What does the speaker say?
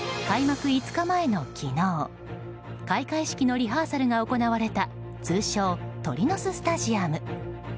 開幕５日前の昨日開会式のリハーサルが行われた通称、鳥の巣スタジアム。